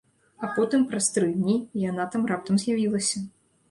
А потым, праз тры дні, яна там раптам з'явілася.